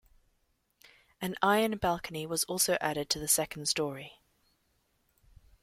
An iron balcony was also added to the second story.